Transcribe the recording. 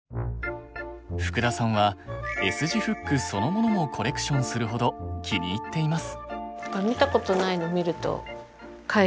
福田さんはＳ字フックそのものもコレクションするほど気に入っています。